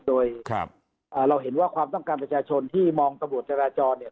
โดยเราเห็นว่าความต้องการประชาชนที่มองตำรวจจราจรเนี่ย